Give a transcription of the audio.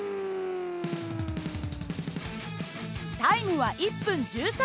タイムは１分１３秒。